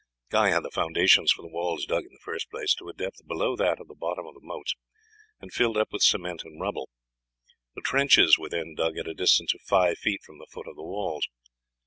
Guy had the foundations for the walls dug in the first place, to a depth below that of the bottom of the moats, and filled up with cement and rubble. The trenches were then dug at a distance of five feet from the foot of the walls.